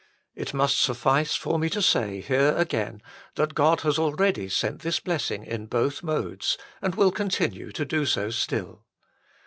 It must suffice for me to say here again that God has already sent this blessing in both modes, and will continue to do so still.